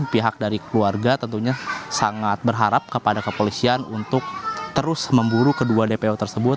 pihak dari keluarga tentunya sangat berharap kepada kepolisian untuk terus memburu kedua dpo tersebut